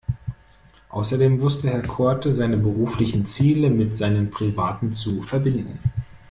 Außerdem wusste Herr Korte seine beruflichen Ziele mit seinen privaten zu verbinden.